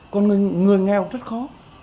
còn người nghèo rất khó